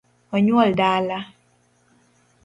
Onyuol dala